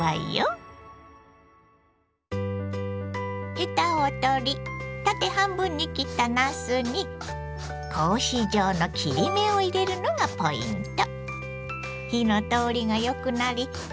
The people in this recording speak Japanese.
ヘタを取り縦半分に切ったなすに格子状の切り目を入れるのがポイント。